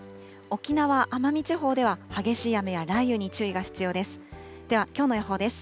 沖縄・奄美地方では激しい雨や雷雨に注意が必要です。